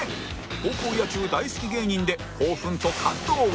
高校野球大好き芸人で興奮と感動を